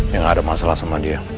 ya nggak ada masalah sama dia